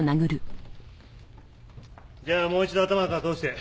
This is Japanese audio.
じゃあもう一度頭から通して。